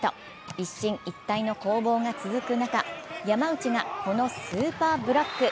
一進一退の攻防が続く中、山内がこのスーパーブロック。